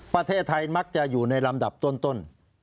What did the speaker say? ประเทศไทยมักจะอยู่ในลำดับต้น